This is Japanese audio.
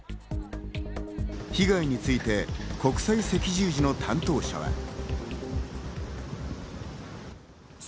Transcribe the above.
被害について国際赤十字の担当者は。